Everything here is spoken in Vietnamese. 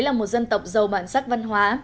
là một dân tộc giàu bản sắc văn hóa